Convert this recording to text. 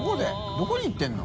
どこに行ってるの？